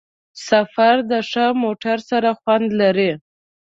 سفر د ښه موټر سره خوند لري.